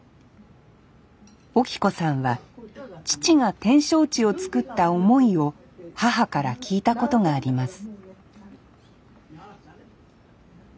オキ子さんは父が展勝地をつくった思いを母から聞いたことがあります